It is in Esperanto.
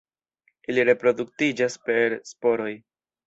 Ili reproduktiĝas per sporoj.